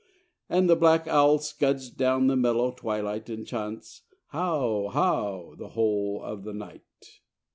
And the black owl scuds down the mellow twilight, And chaunts 'how? how?' the whole of the night.